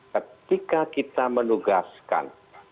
ketika kita menugaskan